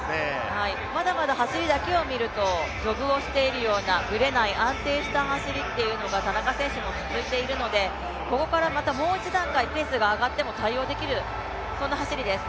まだまだ走りだけを見ると、ジョグをしているようなブレない安定した走りが田中選手も続いているのでここからまたもう一段階ペースが上がっても対応できる、そんな走りです。